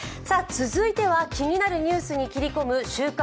続いては気になるニュースに切り込む「週刊！